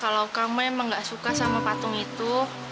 kalau kamu emang gak suka sama patung itu